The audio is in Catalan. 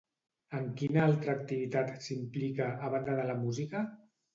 En quina altra activitat s'implica, a banda de la música?